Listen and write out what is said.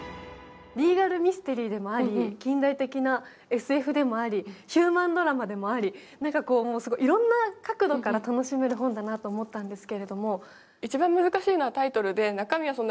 リーガルミステリーでもあり、近代的なＳＦでもあり、ヒューマンドラマでもあり、いろんな角度から楽しめる本だなと思ったんですけれども。